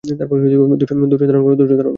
ধৈর্য্য ধারন করো।